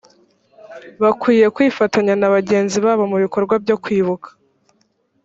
bakwiye kwifatanya na bagenzi babo mu bikorwa byo kwibuka